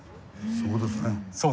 そうです。